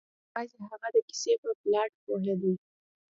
که یوازې هغه د کیسې په پلاټ پوهیدای